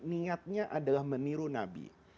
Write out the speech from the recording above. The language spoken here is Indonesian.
niatnya adalah meniru nabi